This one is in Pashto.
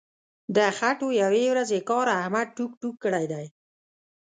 د خټو یوې ورځې کار احمد ټوک ټوک کړی دی.